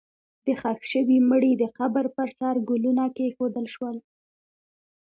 د ښخ شوي مړي د قبر پر سر ګلونه کېښودل شول.